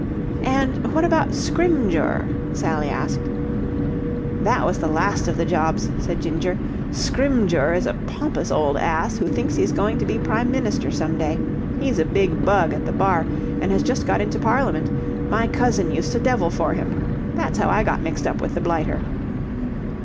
"And what about Scrymgeour?" Sally asked. "That was the last of the jobs," said Ginger. "Scrymgeour is a pompous old ass who thinks he's going to be Prime Minister some day. He's a big bug at the Bar and has just got into Parliament. My cousin used to devil for him. That's how I got mixed up with the blighter."